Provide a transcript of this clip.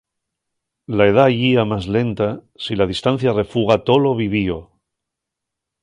La edá yía más lenta si la distancia refuga tolo vivío.